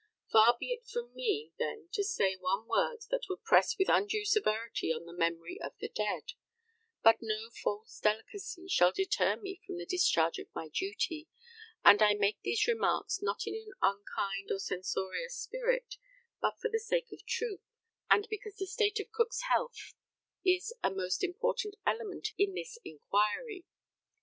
Far be it from me, then, to say one word that would press with undue severity on the memory of the dead; but no false delicacy shall deter me from the discharge of my duty, and I make these remarks not in an unkind or censorious spirit, but for the sake of truth, and because the state of Cook's health is a most important element in this inquiry.